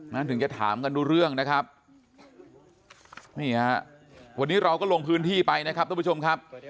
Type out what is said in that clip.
ถึงจะถามกันรู้เรื่องนะครับนี่ฮะวันนี้เราก็ลงพื้นที่ไปนะครับทุกผู้ชมครับ